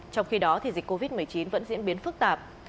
trong khi đó dịch covid một mươi chín vẫn diễn biến phức tạp